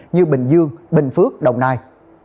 như bình dương bình phước đồng nai